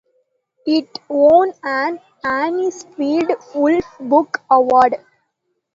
It won an Anisfield-Wolf Book Award.